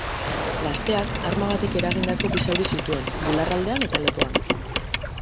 Gazteak arma batek eragindako bi zauri zituen, bularraldean eta lepoan.